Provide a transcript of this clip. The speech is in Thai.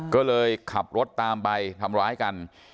ก็เลยขับรถตามไปทำร้ายกัน